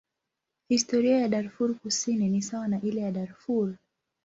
Historia ya Darfur Kusini ni sawa na ile ya Darfur.